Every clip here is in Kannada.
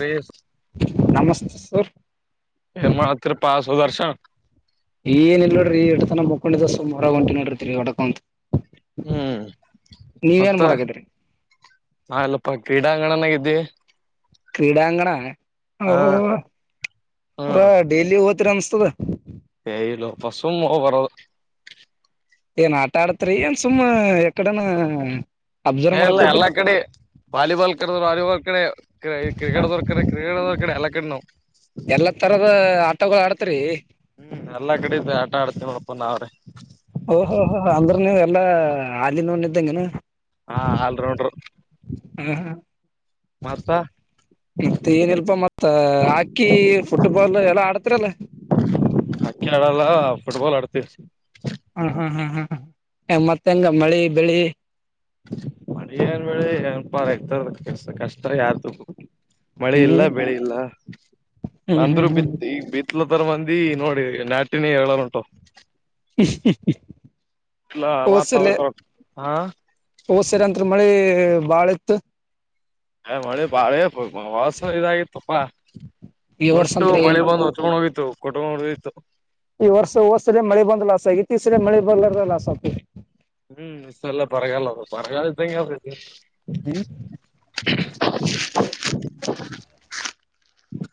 ರೀಲ್ಸ್ ನಮಸ್ತೆ ಸರ್. ಏನ್ ಮಾಡತ್ರಪ ಸ್ ಹೋದರ್ಶ. ಏನ ಇಲ್ ನೋಡ್ರಿ ಈಟತಾನ ಮುಕೊಂಡಿದ್ದ ಸುಮ್ ಹೋರ ಹೊಂಟಿನಿ ನೋಡ್ರಿ ತಿರ್ಗಡಕ ಅಂದ್ ಹ್ಮ್ ನೀವೇನ್ ಮತ್ತ ಮಾಡಕತ್ರಿ ಆಲ್ಲಪ್ಪಾ ಕ್ರೀಡಾಂಗಣನಗಿದ್ವಿ. ಕ್ರೀಡಾಂಗಣ? ಹೊ ಪಾ ಡೈಲಿ ಓದ್ ತ್ರಮಸ್ತದ. ಎ ಇಲೋಪ ಸುಮ್ ಹೋಬರದು. ಏನ್ ಆಟ ಆಡತ್ರಿ ಏನ್ ಸುಮ್ಮ ಎಕಡನ ಅಬ್ಸರ್ವ್ ಇಲ್ಲ ಮಾಡಕ್ ಹೋತ್ರಿ ಎಲ್ಲಾ ಕಡೆ ವಾಲಿಬಾಲ್ ಕರ್ದೆ ವಾಲಿಬಾಲ್ ಕಡೆ ಕ್ರಿಕೆಟ್ದರ್ ಕರ್ದೆ ಕ್ರಿಕೆಟ್ದೊರ್ ಕಡೆ ಎಲ್ಲ ಕಡೆ ನಾವು. ರೀ ಹ್ಮ್ ಎಲ್ಲಾ ಕಡಿದು ಆಟ ಆಡ್ತೀ ನೋಡಪ್ಪ ನಾವ್ರೆ. ಓಹೋ ಹೋ ಅಂದ್ರೆ ನೀವ್ ಎಲ್ಲ ಆದಿನೋನ್ ಇದ್ದಂಗೆನು. ಹಾ ಆಲ್ರೌಂಡರ್ ಹಾ ಹಾ ಮತ್ತ ಈಗ್ ತೆಗೆಯದಿಲ್ಪ ಮತ್ತ ಹಾಕಿ ಫುಟ್ಬಾಲ್ ಎಲ್ಲ ಆಡ್ತಿರಲ್ಲ. ಹಾಕಿ ಆಡಲ್ಲ ಫುಟ್ಬಾಲ್ ಆಡ್ತಿವಿ. ಹ ಹ ಹ ಹ ಮತ್ತೆಂಗ ಮಳಿ ಬೆಳಿ ಮಳಿ ಏನ್ ಬೆಳಿಪ್ಪ ರೖತರ್ದು ಕಷ್ಟ ಯಾರ್ದ ಮಳೆ ಇಲ್ಲ ಹ್ಮ್ ಬೆಳಿ ಇಲ್ಲ ಹ್ಮ್ ಹ್ಮ್ ಅಂದ್ರು ಹ್ಮ್ ಬಿತ್ತು ಈ ಬಿ ಇತ್ಲರ ಮಂದಿ ನೋಡಿ ನಾಟಿನಿ ಹೇಳೋರುಂಟು. [unintelligible] ಇಲ್ಲಾ [unintelligible] ಹಾ ಹೋದ್ಸರಂತ್ರು ಮಳೆ ಬಾಳಿತ್ತು. ಮಳಿ ಬಾಳೆ ಹೊದ್ಸಲಿ ಇದಾಗಿತಪ್ಪ. ಈ ವರ್ಷ ಒಟ್ಟು ಅಂತ್ರ ಮಳೆ ಏನಿಲ್ಲ ಬಂದು ಹೊತ್ಕೊಂಡ್ ಹೋಗಿತ್. ತು ಕೊಟ್ರು ನಡೀತ್ತು. ಈ ವರ್ಷ ಹೋದ್ಸರಿ ಮಳೆ ಬಂದ್ ಲಾಸ್ ಆಗೖತಿ ಈ ಸರಿ ಮಳೆ ಬರ್ಲಾರ ಲಾಸ್ ಆಗ್ತೖತಿ. ಹ್ಮ್ ಇಷ್ಟೆಲ್ಲ ಬರಗಾಲಲ್ಲ ಬರಗಾಲ್ದಂಗೆ [unintelligible] ಹ್ಮ [inaudible] ಹ [inaudible]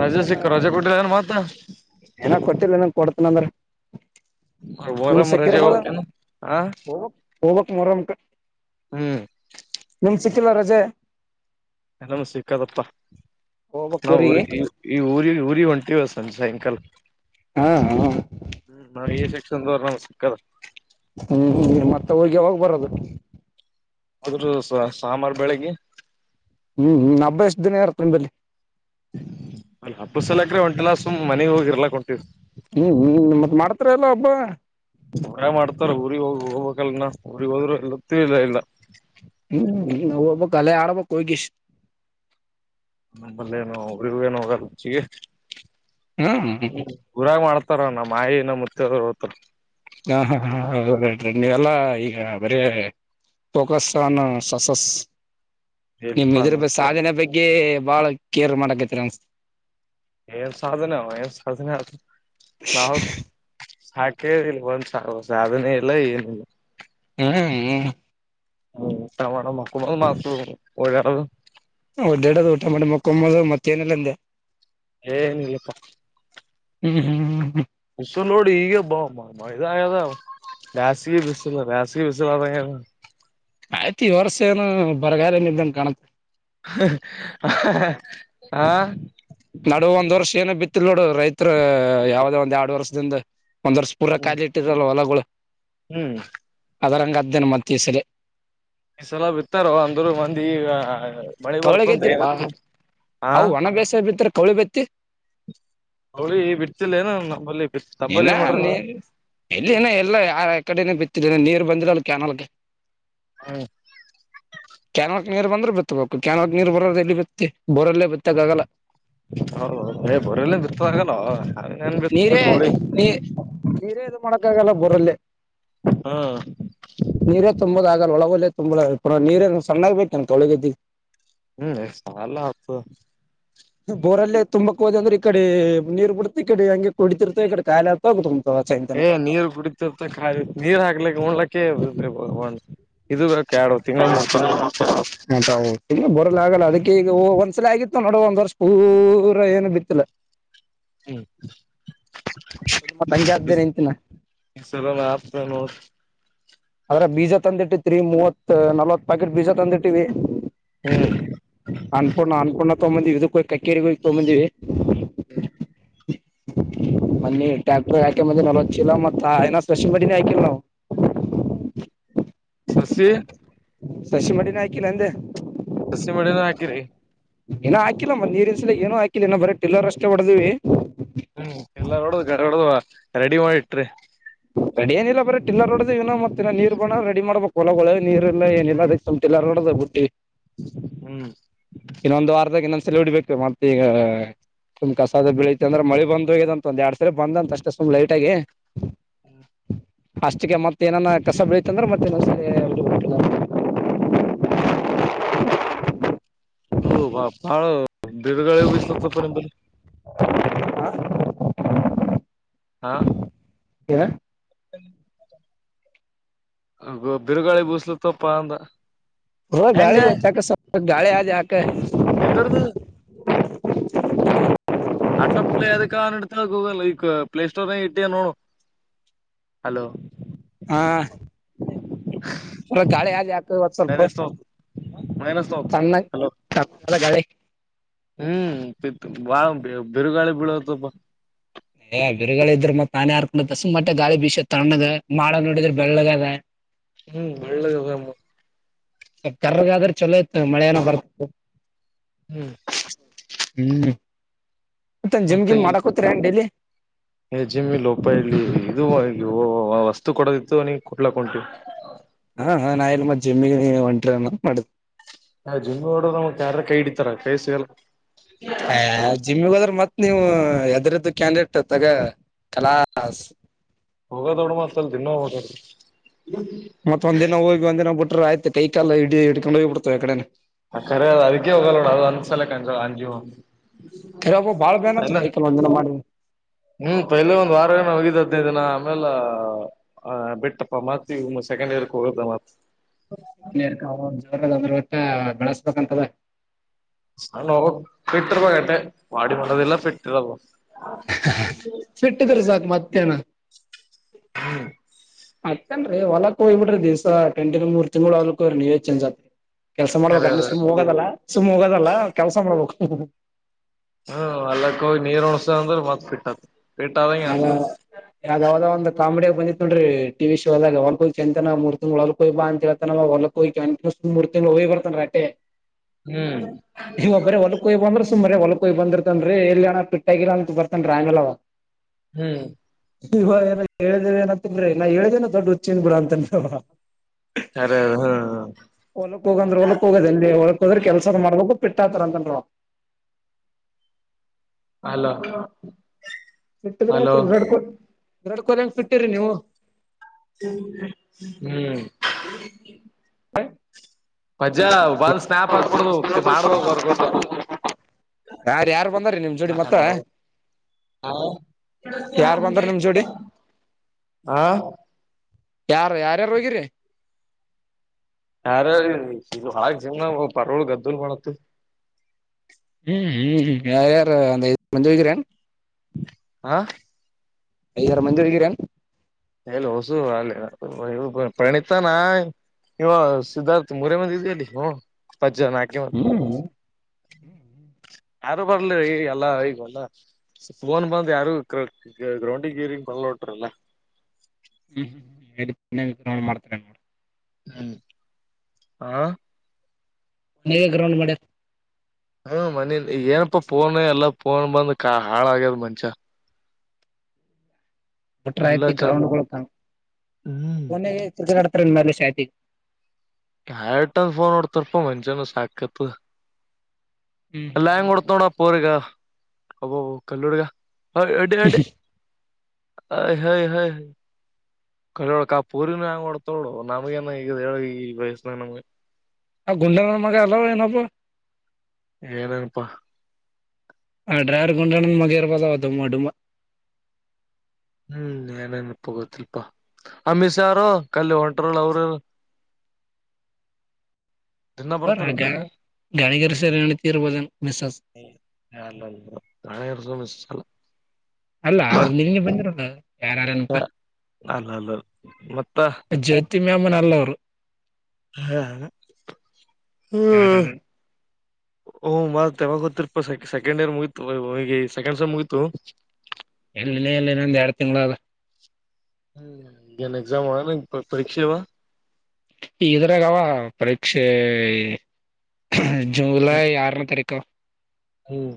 ರಜೆ ಸಿಕ್ಕ್ ರಜೆ ಕೊಟ್ಟಿಲ್ಲೇನ್ ಮತ್ತೆ. ಇನ್ನ ಕೊಟ್ಟಿಲ್ ನಂಗ್ ಕೊಡ್ತೀನಂದರೆ. ಮೊಹರಂಮು ರಜೆ ಹೋಬಕೇನು ಹ ಹೋಗ್ಬಕ್ ಹೋಗ್ಬಕ್ ಮೊಹರಂಕ ಹ್ಮ್. ಚ್ಚಿಲ್ಲ ರಜೆ. ಎಲ್ಲಮು ಸಿಕ್ಕದಪ್ಪಾ ಹೋಗ್ಬಕ್ ನಾ ಊರ್ ಊರಿಗೆ ಈ ಈ ಊರಿಗ್ ಊ ರಿ ಹೊಂಟೀವ ಸಂ ಸಾಯಂಕಾಲ [inaudible] ಹಾ ಹಾ ಹ್ಮ್ ನಳೆ ಸೆಕ್ಷನ್ ತರ [inaudible] ಕ್ಕ [unintelligible] ಹ್ಮ್ ನೀ ಮತ್ತೆ ಊರಿಗೆ ಯಾವಾಗ ಬರದು. ಅದ್ರ ಸಾಮಾರು ಬೆಳಿಗ್ಗೆ. ಹ್ಮ್ ಹಬ್ಬ ಎಷ್ಟ್ ದಿನ ಇರತ ನಿಂಬಲ್ಲಿ. ಅಲ್ಲ ಹಬ್ಬ ಸಲಕ್ರೆ ಒಂಟ ಲಾ. ಸುಮ್ ಮನೆಗ್ ಹೋಗಿರ್ಲಾಕಂಟೀವಿ. ಹತ್ರಲ್ಲ ಹಬ್ಬ. ಮರ ಮಾಡ್ತಾರ ಊರಿಗೆಗ್ ಹೋಗ ಹೋಗ್ಬೇಕಲ್ನ ಊರಿಗೆ ಹೋದ್ರು ಇಲ್ಲತ್ತ ಇಲ್ಲ ಇಲ್ಲ [unintelligible] ಹ್ಮ ನ ಕಾಲ ಆಡೋಬ ಕೈ ಕ [unintelligible] [unintelligible] ಹ್ಮ್ ಗುರುವರ್ ಮಾಡ್ತೀವಿ. ನಮ್ಮ ಆಯಿ ನಮ್ಮ ಮುುತ್ತ ಅದರ ಪ್ಪ. ಹಾ ಹಾ ಹಾ ಹೌರರಿ ನೀವೆಲ್ಲಾ ಈಗ ಬರ ಫೋಕಸ್ ಆನ್ ಸಸಸ್. ನಿಮ್ಮ್ ಇಲ್ಪ ಇದ್ರ ಮುತ್ತ ಸಾಧನೆ ಬಗ್ಗೆ ಬಹಳ ಕೇರ್ ಮಾಡ್ತೀನಿ. [unintelligible] ಏನ್ ಸಾಧನ ಏನ್ ಸಾಧನ ನಾವು. ಸಾಕೇಳಿಲ್ಲ ಒಂದ್ ಸಾದನೇ ಇಲ್ಲ ಏನಿಲ್ಲ. ಹ್ಮ್ ಹ್ಮ. ಹ್ಮ್ ಊಟ ಮಾಡೋದ್ ಮಕ್ಕಳದ್ ಣ ಸುಮ್ ಒಡ್ಯಾಡದ. ಊಟ ಮಾಡದು ಎದ್ದೇಳದು ಮಕ್ಕೊಮ್ಮ ಮತ್ತೇಏನೆಲ್ಲ ಅಂದೆ. ಏನ್ಲಪ್ಪ. ಹ್ಮ್ ಹ್ಮ. ಹಸ ನೋಡಿ ಈಗಬ್ಬಾವಮ್ಮ ಮೈದಾದ ಬ್ಯಾಸಿಗೆ ಬಿಸಲ ಬ್ಯಾಸಿಗೆ ಬಿಸಲ ಅದ ಆಯ್ತು ಈ ವರ್ಷ ಏನು ಬರಗಾಲನಿದ್ದನ್ ಕಾಣತ್. ಹಾ. ಇಲ್ಲಿ ನೋಡು ರೈತ್ರ ಯಾವದೋ ಒಂದ್ ಎರಡು ವರ್ಷದಿಂದ. ಒಂದ್ ವರ್ಷ ಪೂರ ಕಾಲಿಟ್ಟಿರಲ್ಲ ಹೊಲಗಳು ಹ್ಮ್ ಅದರಂಗದ್ದೇನ ಮತ್ ಈ ಸಲ. ಈ ಸಲ ಬಿತಾರ ಅಂದರು ಮಂದಿ. ಮಳಿ ಬರ್ತಂತ ತಳಗೈದೀಪಾ ಏನತ್ತು ಹಾ ಅವವು ಒಣ ಬೇಸ ಬಿದ್ರ. ಕೌಳಿ ಬೆತ್ತಿ. ಅವಳಿ ಬಿಡ್ತಿಲ್ಲ ಏನ ನಮ್ಮಲ್ಲಿ [unintelligible] ಇನ ನೀ ಎಲ್ಲಿನ ಎಲ್ಲ ಯ ಕಡೆನ ಬಿತ್ತ ನೀರ್ ಬಂದಿಲ್ಲ. ಲು ಕೆನಾಲ್ ಕೆ [unintelligible] ಹ್ಮ. ಕ್ಯಾನಲ್ಕ್ ನೀರ್ ಬಂದ್ರು ಬಿತ್ತಬೇಕು ಕೆನಗ ನೀರ್ ಬರೋದ ಎಲ್ಲಿ ಬಿತ್ತಿ ಬೋರಲ್ಲೇ ಬಿತ್ತಾಗಗಲ್ಲ. ಹೌದೌದು ಏ ಬರಲ್ಲ ಬಿತ್ತದಾಗಲ್ಲ ಅವೇನ್ ಬಿತ್ತ ನೀರೇ ಕೋಳಿ ನೀ ನೀರೇ ಇದು ಮಾಡಕ್ಕಾಗಲ್ಲ ಬ. [unintelligible] ಹಾ. ತುಂಬದ ಆಗಲ್ಲ ಒಳಗಲ್ಲೆ ತುಂಬುದ ನೀರೇನು ಸಣ್ಣಾಗ್ ಬೇಕ ತೊಳಗದಿ. ಅಷ್ಟೆಲ್ಲ ಸಾಲ ಆಯ್ತು. ಬೋರಲ್ಲೇ ತುಂಬಾ. ಹೋದ ಅಂದ್ರೆ ಈ ಕಡೆ ನೀರ್ ಬಿಡ್ತ ಈ ಕಡೆ ಹಂಗೆ ಕುಡಿತಿರ್ತ ಈ ಕಡೆ ಕಾಲಿ ಆತ. ಏ ನೀರ್ ಕುಡಿತಿರ್ತಾ ನೀರ್ ಹಾಕ್ಲಿಕ್ಕೆ ಹೊಲಕ್ಕ. [unintelligible] [unintelligible] ಆಗಲ್ಲ ಅದಕ್ಕೆ ಈಗ ಒಂದ್ಸಲ ಆಗಿತ್ತು ನೋಡ ಒಂದ್ ವರ್ಷ ಪೂರ ಏನು ಬಿತ್ತಿಲ. ಮತ್ ಹಂಗೆ ಅದ್ದೇ ನಿಂತಿನ [unintelligible] ಆದ್ರ ಬೀಜ ತಂದಿಟ್ಟಿದ್ರಿ ಮೂವತ್ತು ನಲ್ವತ್. ಪಾಕೆಟ್ ಬೀಜ ತಂದಿ ಇಟ್ಟೀವಿ ಹ್ಮ್ ಅನ್ಕೊಂಡಣ ಅನ್ಕೊಂಡೊಂಡ. ತಗೊಂಡ್ ಬಂದಿವಿ ಇದು ಕಕ್ಕೇರಿಗೆ ತಗೊಂಡ್ ಬಂದಿವಿ. ಹ್ಮ. [unintelligible] ಮೊನ್ನೆ ಟ್ರ್ಯಾಕ್ಟರ್ ಹಾ. ನಲವತ್ತು ಚೀಲ ಮತ್ತು ಸ್ಪೆಷಲ್ ಬಡ್ಡಿ ನೆ ಹಾಕಿಲ್ ನಾವು. ಸಸಿ. ಸಸಿ ಮಡಿನ ಹಾಕಿ ನಂದೆ. ಸಸಿ ಮಡಿನ ಹಾಕಿರಿ. ಇನ್ನು ಹಾಕಿಲ್ಲ ಮತ್ ನೀರಿನ್ ಸಲ ಏನೋ ಹಾಕಿಲ್ಲ ಇನ ಬರೀ ಪಿಲ್ಲರ್ ಅಷ್ಟೇ ಹೊಡ ದಿವಿ. ಹ್ಮ್ ಎಲ್ಲಾ ನೋಡ ಗಾಢ ರೆಡಿ ಮಾಡಿ ಇಟ್ರಿ. ರೆಡಿ ಏನಿಲ್ಲ ಬ್ರ ಟಿಲ್ಲರ್ ರಡೋವನ ಮತ್ತ ನೀರ್ ಬಣ ರೆಡಿ ಮಾಡ್ಬೇಕಕ್ ಹೊಲ ನೀರ್ ಇಲ್ಲ ಏನಿಲ್ಲ [unintelligible] ಬಿಟ್ಟಿ. ಹ್ಮ್ ಇನ್ನೊಂದು ವಾರದ ಇನ್ನೊಂದು. ಸಾಲು ಹೊಡಿಬೇಕು ಮತ್ತ ಈಗ ಸುಮ್ ಕಸಾದ ಬೆಳತೆ ಅಂದ್ರೆ ಮಳಿ ಬಂದಂತ ಒಂದ್ ಎರಡ್ ಸರಿ ಬಂದಂತ ಅಷ್ಟೇ ಸುಮ್ ಲೈಟ್ ಆಗಿ. ಹ್ಮ. ಅಷ್ಟಕ್ಕೆ ಮತ್ತ ಏನಾನ ಕಸ ಬೆಳೀತಂದ್ರೆ ಮತ್ತ ನ ಸರಿ. ಹ್ಮ್. [unintelligible] ಅದು ಬಹಳ. [unintelligible] ಆ ಹಾ ಏನ್. ಹ್ಮ. ಅದ್ ಬಿರುಗಾಳಿ ಬೂಸ್ಲ ತಪ್ಪ ಅಂದ. ಹಾ ಹೆಂಗ ಗಾಳಿ ವ ಚಾಕ ಗಾಳೆ ಆಜ ಆಕ. ಎದರ್ದು ಅಟೋ ಪ್ಲೇ ಅದಕ್ಕೆಡ್ತ ಗೂಗಲ್ ಈ ಪ್ಲೇ ಸ್ಟೋರ್ ನ ಇಟ್ಟ ನೋಡು ಹಲೋ. ಹಾ ಗಾಳಿ ಆ ಯಾಕವತ್ತು ಸ್ವಲ್ಪ ಮೈನಸ್ ನೋತ್ ತಣ್ಣ ಹಲೋ ತ. ಎಲ್ಲ ಗಾಳಿ ಹ್ಮ್ ಬಾ ಬಿರುಗಾಳಿ ಬೀಳೋಪ್ಪ [unintelligible] ಏ ಬಿರುಗಳ ಇದ್ರರು ಮತ್ ನಾನ ಯಾರ್. ಒ ದಸುಮಾಟ ಗಾಲಿಬೀಷ ತಣಗ. ಮೋಡ ನೋಡಿದ್ರೆ ಬೆಳ್ಳಗೆದ. ಹ್ಮ್ ಬೆಳ್ಳಗದುಮ್ಮ. ಕರಗಾದ್ರೆ ಚಲೋ ಇತ್ ಮಳೆನ ಬರ್ತದೆ. ಹ್ಮ್. ಹ್ಮ್. ಮಂದ ಜಿಮ್ ಮತ್ತೆ ಗಿಮ್ ಮಾಡಾಕೋತ್ ಏನ್ ಡೈಲಿ. ಜಿಮ್ಮಿ ಲೋಪ ಇಲ್ಲಿ ಇದು ವಸ್ತು ಕೊಡೋದಿತ್ತು ನೀ ಕೊಟ್ಲಕ್ ಉಂಟವಿ. ಹಾ ಹ ನಾ ಇಲ್ ಮತ್ ಜಿಮ್ ಗೆ ಏನು ಒಂಟ್ರ ಮಾಡದ್. ಹ ಜಿಮ ಹೊಡ ನ್ ಯಾರ ಕೈ ಹಿಡಿತಾರ ಕೈ ಸಿಗಲ್ಲ. ಹ ಜಿಮ್ಮಿಗ ಹೋದ್ರೆ ಮತ್ತೆ. ನೀವು ಎದ್ರದ್ದು ಕ್ಯಾಂಡಿಡೇಟ್ ತಗ ಕಲಾಸ್. ಹೋಗೋ ದೊಡ ಮತ್ತ ಅಲ್ ದಿನ ಹದಾದ [unintelligible] ಮತ್ತ ಒಂದ ದಿನ ಹೋಗಿ ಒಂದಿನ ಬುಟ್ಟ. ಆಯ್ತ ಕೈ ಕಾಲ ಇ ಹ ಇಡ್ಕೊಂಡ ಹೋಗ ಬಿಡ್ತವೆ ಆ ಕಡೆ ಕರೆ ಅ ಅದಕ್ಕೆ ಹೋಗಲ್ಲೋಡ ಅದು ಅನ್ಸಲಕ್ಕೆ ಅಂಜ ಅಂಜೀವ ಕರೆಬ್ಬ [unintelligible] ಬಾಳ್ ಬೇನ್ ಪ ಆತವ್ ಕೈ ಕಾಲ್ ಒಂದಿನ ಮಾಡಿ ಹ್ಮ್ ಪಹಲ ಒಂದ್ ವಾರ ನ ಹೋಗಿದ್ದ ಹದ್ನಿದ್ ದಿನ. ಆಮೇಲೆ ಆ ಬಿಟ್ಟಪ್ಪ ಮಾತ್ತಮ್ಮ ಸೆಕೆಂಡ್ ಇಯರ್ಕ್ ಹೋಗ್ದತ್. [unintelligible] ಹಾ ಕಳಿಸ್ಬೇಕಂತೆ. ಹ ನೋಗ ಬಿಟ್ಟರ್ ಮಟೆ ವಾಡಿ ಮಾಡೋದಿಲ್ಲ ಬಿಟ್ಟಿರವ. ಸಿಟ್ಟಿದ್ರ ಸಾಕ ಮತ್ತೇನ. ಹ್ಮ. ಅತ್ತೇನ್ರಿ ಹೊಲಕ್ಕ ಹ. [unintelligible] ಕೆಲಸ ಖರೆ ಮಾಡಬೇಕು ಅದ ಸುಮ್ಮನೆ ಹೋಗದಲ್ಲ. ಸುಮ್ಮ್ ಹೋಗದಲ್ಲ ಕೆಲ್ಸ ಮಾಡ್ಬೇಕು. ಹ್ಮ ಹೊಲಕ್ಕೆ ಹೋಗಿ ನೀರ್ ಒಣಸೂ ಅಂದ್ರೆ ಮತ್ ಕಹೀಟ್ ಆಯ್ತು. ಅ ಯಾವ್ದಾವ್ದೋ ಒಂದು ಕಾಮಿಡಿ. ಬಂದಿತ ನೋಡ್ರಿ ಟಿ ವಿ ಶೋದಾಗ ಹೊಗಿ ಅಂತ ಮೂರ್ ತಿಗಳು ಹೊಲಕ್ ಹೋಗಿ ಬಾ ಅಂತ ಹಳ್ತಾನ ಹೊಗಿರ್ತಿಗಳು ಹೋಗಿ ಬರ್ತನ್ರಿ ಅಟ್ಟೆ. ಹ್ಮ್ ನೀವ್ ಒಬ್ಬರೇ ಹೊಲಕ್ ಹೋಗಿ ಬಂದ್ರ್ ಸುಮ್ ಬರೇ ಹೊಲಕ್. ಹೊಗ್ ಬಂದಿರ್ತ ರಿ ಎಲ್ಲಿಯಣ್ಣ ಪಿಟ್ಟಾಗಿರ ಅಂತ ಬರ್ತನ್ ಅವ್ರ್ ಆಮೇಲ್ ಅವ. ಹ್ಮ್. ಇವ ಏನ ಹೇಳಿದ್ರೆ ಏನಾಗುತ್ತಿತ್ತು ರಿ ನಾ ಹೇಳಿದೇನ ದೊಡ್ಡ ಹುಚ್ಚಿನ ಬಿಡ್ ಅಂತನ್. ಖರೆ ಅದ ಹ್ಮ ಹೊಲಕ್ ಹೋಗಂದ್ರೆ ಹೊಲಕ್ ಹೋಗದ ಅಲ್ಲಿ ಹೊ. ತೊಗರಿ ಕೆಲ್ಸ ಮಾಡ್ಬೇಕು ಪಿಟ್ಟತರ ಅಂತನ್. ಹಲೋ. ಹಲೋ ಸಿಟ್ಟುದತ್ರಿ ಹೊಡ್ಕ-. ವಿರಾಟ್ ಕೊಹ್ಲಿ ಹಂಗ ಬಿಟ್ಟಿರಿ ನೀವು. ಹ್ಮ್. ಹ. ಪಜ್ಜಾ ಬಲ್ ಸ್ನ್ನಾಪ್ ಆಗ್ಬಿಡ್ದ ಮಾಡ್ಬ ವರ್ಕ್ ಔಟ್ ಯಾರ್ ಯಾರ್ ಬಂದಾರೀ ನಿಮ್ ಜೋಡಿ ಮತ್ತ ಯಾರ್ ಬಂದಾರ ನಿಮ್ ಜೋಡಿ ಹ. ಯಾರ ಯಾರ್ಯಾರು ಹೋಗಿರಿರಿ. ಯಾರೀ ಹಾಗ ಜಿಮ್ ಪರಳ ಗದ್ದಲ್ ಮಾಡತ್. ಹ್ಮ್ ಹ್ಮ್ ಹ್ಮ್ ಯಾರ ಯಾರು ಅಂತ ಇ ಮದ್ದು ವೈದಿದರೆ ಏನು. ಹಾ. ಐದರ ಮಂದಿ ಹೋಗಿರೇನು. ಎಲ್ ಹೊಸು ಅ ಪರಿಣತಾನ ಇವ ಸಿದ್ಧಾರ್ಥ ಮೂರ ಮಂದಿ ಇದ್ಯಲ್ಲಿ. [unintelligible] ಹ್ಮ್ ಯಾರು ಬರ್ಲಿರಿ ಈ ಎಲ್ಲ ಈಗಲ್ಲ ಫೋನ್ ಬಂದ್ ಯಾರು ಗ್ರೌಂಡಿಗೆ ಗೀರಿಂಗ್ ಕೊಲ್ಟ್ರಲ್ಲ. ವಿಕ್ರ ಮಾಡ್ತಾರೆ ನೋಡ. [unintelligible] ಹ್ಮ್ ಆಾ. ನೀವ ಗ್ರೌಂಡ್ ಮಾಡಿ. ಹ್ಮ ಮನಿ ಏನಪ್ಪಾ ಫೋನ್ ಎಲ್ಲ ಫೋನ್ ಬಂದ ಕ ಹಾಳ ಆಾಗ್ಯದ್ ಮನುಷ್ಯ. ಬಿಟ್ರ ಎಲ್ಲ ಐತಿ ಚಂದ ಗ್ರೌಂಡ್ ಹ್ಮ್ ಮ ಚಿತ್ರ. ತ್ರನ್ಮಲೆ ಶಾ. [unintelligible] ಯಟನ್ ಫೋನ್ ನಡ್ತಾರಪ್ಪಾ ಮುಂಜಾನೆ ಸಾಕತ್-. - ಹ್ಮ್ ಎಲ್ಲ ಹೆಂಗ್ ನೋಡ್ತಾ. ಪ್ಪೋರ್ಗ ಅಬ್ಬ ಕಲ್ಲು ಹುಡುಗ ಹ ಅ ಅಡಿ. ಅಯ ಹೈ ಹಯ ಹೈ ಕರಿಯೊಳಕಾ ಪೂರಿನೇ ಹಂಗೋಡ್ತೊಳ ನೋಡೊ ನಮಗ ಏನ ಇದು ಹೇಳ ಈ ವಯಸ್ಸನಾಗ ನಮ್ಗೆ. ಆ ಗುಂಡನ ಮಗ ಅಲ್ಲೋ ಏನಪ್ಪ ಏನಅನ್ಪಾ. ಆ ಡ್ರೈವರ್ ಗುಂಡನ್ ಮಗ ಇರ್ಬಹುದವ ದುಮ್ಮ ಡುಮ್ಮ. ಹ್ಮ್ ಏನೇನಪೂ ಗೊತ್ತಿಲ್ಪಾ ಅಮಿತಷಾ ಅವ್ರು ಕಲ್ಲಿ ಹೊಂಟ್ರಳ ಅವ್ರ್ಯವ. ಅರ್ ಹಜಾ ಗಾಣ್ಗೇರ ಸರ್ ಹೇಳಿದ ಕೇರಬಹುದೇನು ಮಿಸ್ಸಸ್. ಅಲ್ಲ ಹಣೆರ್ಸು ಮಿಸ್ ಅಲ್ಲ ಅಲ್ಲ ಅವ್ರು ನಿನ್ನೆ ಬಂದಿರಲ್ಲ ಹ ಯಾರ್ಯಾರನಪ್ಪಾ ಅಲ್ಲ ಹಲ್ಲೊ ಮತ್ತ. ಯಮ ನಲ್ಲ ಅವ್ರು. ಹ್ಹ್ಯಾ ಹ್ ಅ. ಯಾರ್ಯಾರ ಓ ಮತ್ತ ಯಾವಾಗ ಓತ್ತಿರಪ್ಪಾ ಸೆಕ್ ಸೆಕೆಂಡ್ ಇಯರ್ ಮುಗೀತು ವೈಹೊಗಿ ಸೆಕೆಂಡ್ ಸಮ್ ಮುಗಿತು. ಎಲ್ಲ ವಿನಯ ಎಲ್ಲ ಅದಾನಾ ಎರಡ ತಿಂಗಳಾ ಅದ. ಹ್ಮ ಏನ್ ಎಗ್ಸಾಮ್ ಒಳನಂಗ ಪ ಪರೀಕ್ಷೆಯವಾ. ಇದ್ರಾಗ ಅವಾ ಪರೀಕ್ಷೆ ಈ. ಝಂಗಲೈ ಯಾರನೇ ತಾರೀಕ್. ಕ. ಹ್ಮ್.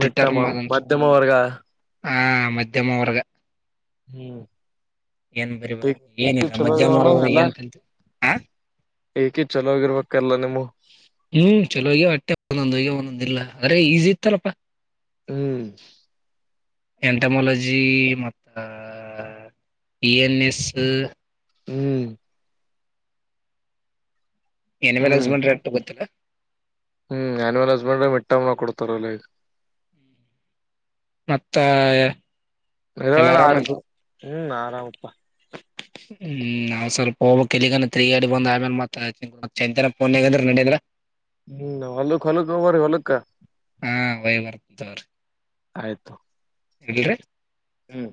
ಮಿಟ್ಟಮು ಮಧ್ಯಮ ವರ್ಗಾ. ಆ ಮಧ್ಯಮ ವರ್ಗ. ಹ್ಮ್. ಏನ್ ಟ್ಟಿ ಬರಿಬೇಕು ನಿಕಿ ಏನಿಲ್ಲ ಚಲೋ ಮಧ್ಯಮ ಆಗ್ಯಾವನು ವರ್ಗದ ಎಲ್ಲಾ ಏನ್ ಕಲ್ತಿ ಹ ಈಕಿ ಚಲೋ ಆಗಿರ್ಬೇಕ ಎಲ್ಲ ನಿಮ್ಮ್ವು. ರ್ದಿಲ್ಲಾ ಅರೇ ಈಝಿ ಇತ್ತಲ್ಲಪ್ಪಾ. ಹ್ಮ್. ಎಂಟಮ್ಟಾಲಜಿ ಮತ್ತ ಇ ಎನ್ ಎಸ್. ಹ್ಮ್. ಏನ್ ಹ್ಮ್ ವೆಲೆಝಮೆಂಟ ರೆಟ್ಟ ಗೊತ್ತಿಲ್ಲ. ಹ್ಮ್ ಆ್ಯನಿವಲ್ ಹಸ್ಬೆಂಡ ಮಿಟ್ಟಮ್ಮ್ನ ಕೊಡ್ತಾರಲ್ಲೈಗ. ಮತ್ತಾಯ. [unintelligible] ಆರಿದ್ದು. ಹ್ಮ್ ಆರಾಮಪ್ಪಾ. ಹ್ಮ್ ನಾವ್ ಸ್ವಲ್ಪ ಹೋಗ್ಬೇಕ್ ಕೀಲಿಗನ ತಗಿ ಹಡಿ ಬಂನ ಆಮೇಲೆ ಮಾತ್ರ ಚೇಂದ್ರಪ ಪೋನ್ ನಿಗದರ್ ನಡಿಗರ. ಹ್ಮ್ ನಿನ ಹೊಲಕ್ ಹೊಲಕ್ಕ ಹೊಗುಬರಿ ಹೊಲಕ್ಕ. ಹಾ ಹೋಯಿಬರ್ತನ ತ್ತೊರಿ. ಆಯ್ತು. ಎಲ್ಲ್ರೇ. ಹ್ಮ್.